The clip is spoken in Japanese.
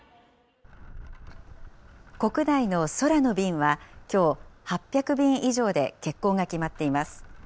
国内の空の便はきょう、８００便以上で欠航が決まっています。